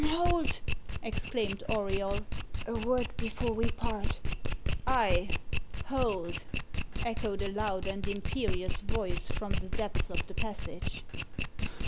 "Hold!" exclaimed Auriol. "A word before we part." "Ay, hold!" echoed a loud and imperious voice from the depths of the passage.